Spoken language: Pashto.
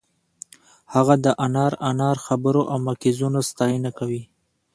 هغه د انار انار خبرو او مکیزونو ستاینه کوي